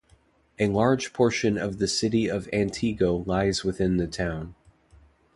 A large portion of the City of Antigo lies within the town.